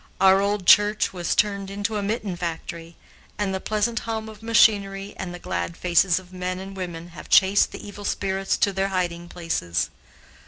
Our old church was turned into a mitten factory, and the pleasant hum of machinery and the glad faces of men and women have chased the evil spirits to their hiding places.